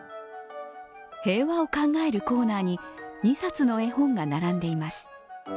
平和を考えるコーナーに、２冊の絵本が並んでいます。